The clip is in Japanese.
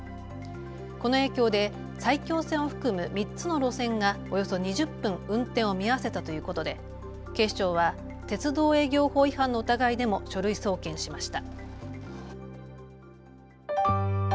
この影響で埼京線を含む３つの路線がおよそ２０分、運転を見合わせたということで警視庁は鉄道営業法違反の疑いでも書類送検しました。